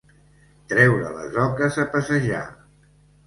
Treure les oques a passejar.